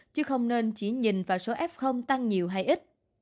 chứ không nên chỉ nhìn vào số f tăng nhiều hay ít